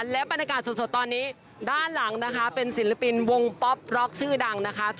และบรรยากาศสดตอนนี้ด้านหลังนะคะเป็นศิลปินวงป๊อปบร็อกชื่อดังนะคะ